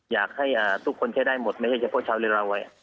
อยากให้ทุกคนใช้ได้หมดไม่ใช่เฉพาะชาวเลเรา